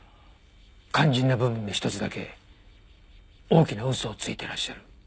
肝心な部分で一つだけ大きな嘘をついてらっしゃる。